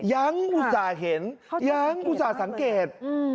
ยังคุณศาสนเห็นยังคุณศาสนสังเกต